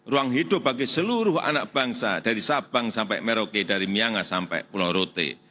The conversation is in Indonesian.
ruang hidup bagi seluruh anak bangsa dari sabang sampai merauke dari myangas sampai pulau rote